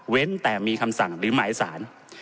แต่มีคำสั่งหรือหมายสาร